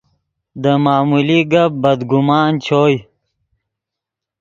دے معمولی گپ بد گمان چوئے